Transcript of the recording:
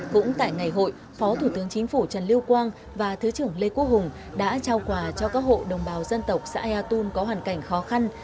cũng tại ngày hội phó thủ tướng chính phủ trần lưu quang và thứ trưởng lê quốc hùng đã trao quà cho các hộ đồng bào dân tộc xã ea tôn có hoàn cảnh khó khăn